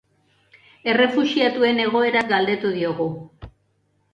Errefuxiatuen egoeraz galdetu diogu.